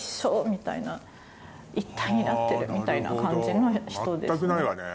みたいな一体になってるみたいな感じの人ですね。